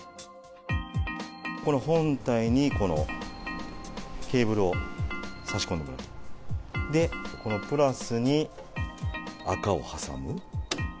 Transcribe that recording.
この本体に、このケーブルを差し込んで、このプラスに赤を挟む。